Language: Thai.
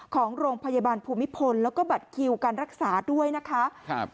ของโรงพยาบาลภูมิพลแล้วก็บัตรคิวการรักษาด้วยนะคะครับ